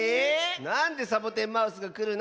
なんでサボテンマウスがくるの！